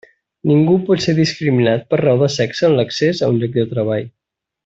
Ningú pot ser discriminat per raó de sexe en l'accés a un lloc de treball.